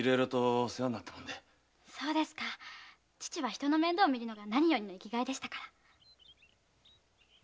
人の面倒をみるのが父の何よりの生きがいでした。